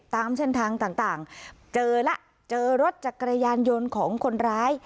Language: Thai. ตามเส้นทางต่างเจอแล้วเจอรถจักรยานยนต์ของคนร้าย